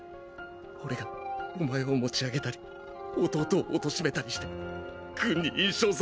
俺がお前を持ち上げたり弟を貶めたりして軍に印象操作したんだ！